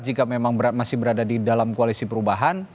jika memang berat masih berada di dalam koalisi perubahan